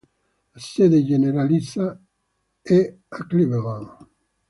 La sede generalizia è a Cleveland.